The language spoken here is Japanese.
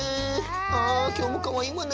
あきょうもかわいいわね。